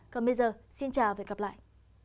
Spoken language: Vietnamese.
còn bây giờ xin chào và hẹn gặp lại